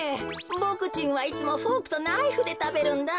ボクちんはいつもフォークとナイフでたべるんだ。